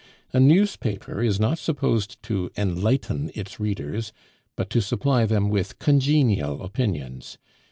A newspaper is not supposed to enlighten its readers, but to supply them with congenial opinions.